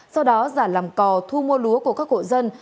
sau đó giả làm cò thu mua lúa của các hộ dân